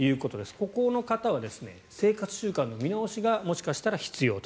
ここの方は生活習慣の見直しがもしかしたら必要と。